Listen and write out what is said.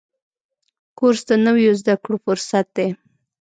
کورس د نویو زده کړو فرصت دی.